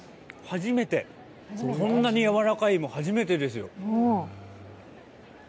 初めて、こんなにやわらかい芋、初めてですよ。